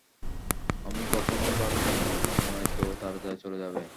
আমিও কখনো ভাবি নাই, আম্মু এতো তাড়াতাড়ি চলে যাবে।